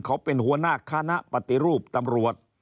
เขาเป็นหัวหน้าคณะปฏิรูปตำรวจ